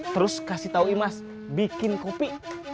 terus kasih tahu imas bikin kopi